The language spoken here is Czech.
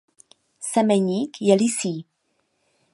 Semeník je lysý.